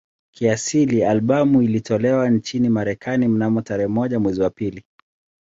Kiasili albamu ilitolewa nchini Marekani mnamo tarehe moja mwezi wa pili